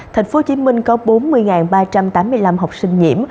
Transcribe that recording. thành phố hồ chí minh có bốn mươi ba trăm tám mươi năm học sinh nhiễm